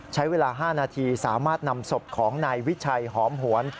ใช้เวลา๕นาทีสามารถนำศพของนายวิชัยหอมหวน